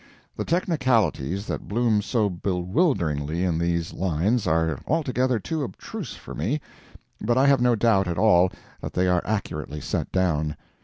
The technicalities that bloom so bewilderingly in these lines are altogether too abstruse for me, but I have no doubt at all that they are accurately set down.